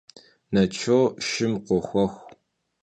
Начо шым къохуэх.